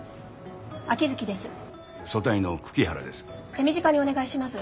手短にお願いします。